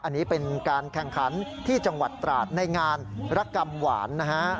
อันนี้เป็นการแข่งขันที่จังหวัดตราดในงานรกรรมหวานนะฮะ